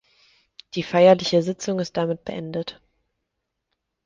Die feierliche Sitzung ist damit beendet.